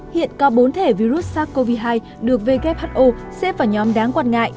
hiện có bốn thẻ virus sars cov hai được who xếp vào nhóm đáng quan ngại